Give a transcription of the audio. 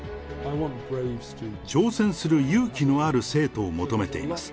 挑戦する勇気のある生徒を求めています。